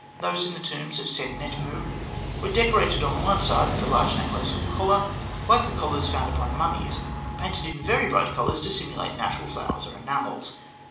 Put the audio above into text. Those in the tomb of Sennetmû were decorated on one side with a large necklace, or collar, like the collars found upon mummies, painted in very bright colours to simulate natural flowers or enamels.